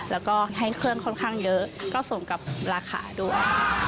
แล้วก็ให้เครื่องค่อนข้างเยอะก็สมกับราคาด้วย